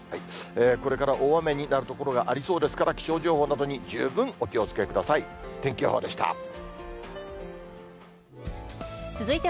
これから大雨になる所がありそうですから、気象情報などに十分お気をつけください。